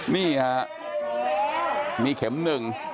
นี่ฮะมีเข็มหนึ่ง